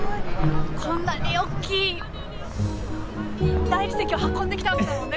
こんなに大きい大理石を運んできたわけだもんね